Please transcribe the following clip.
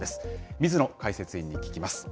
水野解説委員に聞きます。